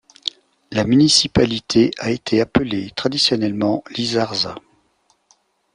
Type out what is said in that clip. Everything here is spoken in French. La municipalité a été appelée traditionnellement Lizarza.